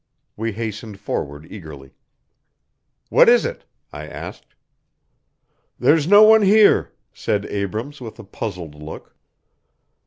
We hastened forward eagerly. "What is it?" I asked. "There's no one here," said Abrams, with a puzzled look.